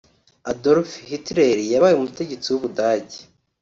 Adolf Hitler yabaye umutegetsi w’ubudage